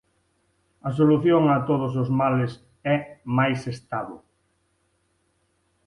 A solución a todos os males é máis Estado.